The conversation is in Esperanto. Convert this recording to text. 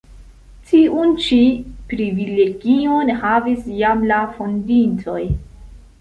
Tiun ĉi privilegion havis jam la fondintoj.